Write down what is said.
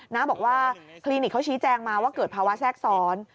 บอกว่าคลินิกเขาชี้แจงมาว่าเกิดภาวะแทรกซ้อน